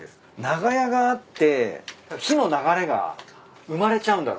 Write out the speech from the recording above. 長屋があって火の流れが生まれちゃうんだろうね。